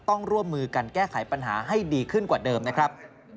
ต้องร่วมมือกันแก้ไขปัญหาให้ดีขึ้นกว่าเดิมนะครับ